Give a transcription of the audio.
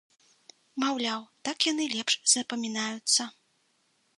Маўляў, так яны лепш запамінаюцца.